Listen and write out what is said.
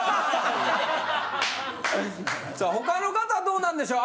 さあ他の方はどうなんでしょう？